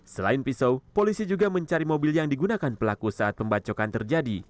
selain pisau polisi juga mencari mobil yang digunakan pelaku saat pembacokan terjadi